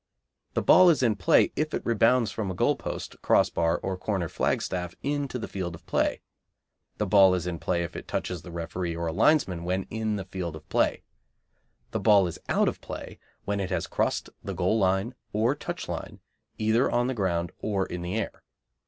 The ball is in play if it rebounds from a goal post, crossbar, or a corner flagstaff into the field of play. The ball is in play if it touches the referee or a linesman when in the field of play. The ball is out of play when it has crossed the goal line or touch line, either on the ground or in the air.